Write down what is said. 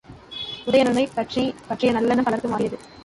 உதயணனைப் பற்றிய நல்லெண்ணம் பலருக்கு மாறியது.